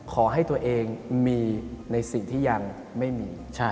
ขอให้ตัวเองมีในสิ่งที่ยังไม่มี